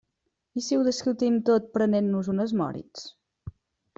I si ho discutim tot prenent-nos unes Moritz?